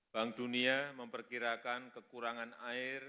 bank dunia memperkirakan kekurangan air